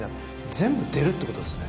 全部出るって事ですね